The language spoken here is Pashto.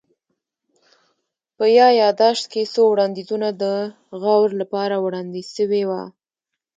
په يا ياداشت کي څو وړانديزونه د غور لپاره وړاندي سوي وه